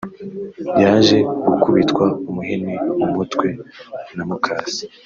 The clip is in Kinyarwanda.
yaje gukubitwa umuhini mu mutwe na mukase